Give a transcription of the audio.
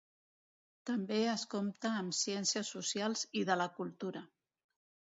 També es compta amb ciències socials i de la cultura.